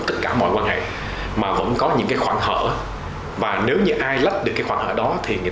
tất cả mọi quan hệ mà vẫn có những cái khoảng hở và nếu như ai lách được cái khoảng hở đó thì người